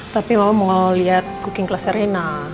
tapi mama mau lihat cooking kelas rena